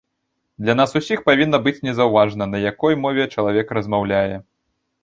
Для нас усіх павінна быць незаўважна, на якой мове чалавек размаўляе.